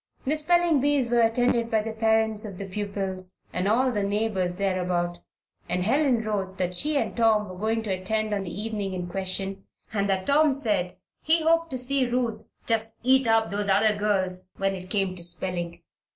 The spelling bees were attended by the parents of the pupils and all the neighbors thereabout, and Helen wrote that she and Tom were going to attend on the evening in question and that Tom said he hoped to see Ruth "just eat up those other girls" when it came to spelling.